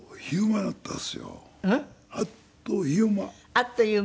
あっという間。